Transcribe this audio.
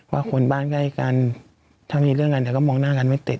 คนบ้านใกล้กันถ้ามีเรื่องกันแต่ก็มองหน้ากันไม่ติด